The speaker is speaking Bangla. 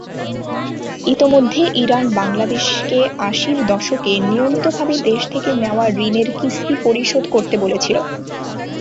ইতোমধ্যে ইরান বাংলাদেশকে আশির দশকে নিয়মিতভাবে দেশ থেকে নেওয়া ঋণের কিস্তি পরিশোধ করতে বলেছিল।